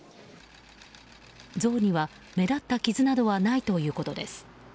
像には目立った傷などはないということです。